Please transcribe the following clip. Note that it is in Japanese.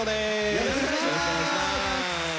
よろしくお願いします。